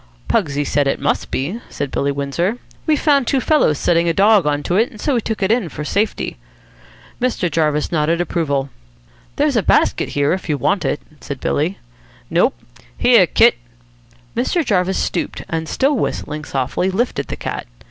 "Pugsy said it must be," said Billy Windsor. "We found two fellows setting a dog on to it, so we took it in for safety." Mr. Jarvis nodded approval. "There's a basket here, if you want it," said Billy. "Nope. Here, kit." Mr. Jarvis stooped, and, still whistling softly, lifted the cat.